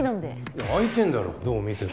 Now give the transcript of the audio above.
いや空いてんだろどう見ても。